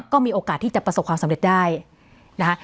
ก็มีโอกาสที่จะประสบความสำเร็จได้นะคะ